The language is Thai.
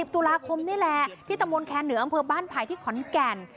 ตุลาคมนี่แหละที่ตะมนต์แคนเหนืออำเภอบ้านไผ่ที่ขอนแก่น